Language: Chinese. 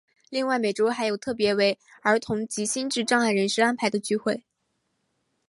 另外每周还有特别为儿童及心智障碍人士安排的聚会。